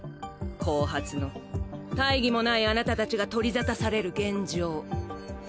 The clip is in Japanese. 後発の大義もないあなた達が取り沙汰される現状。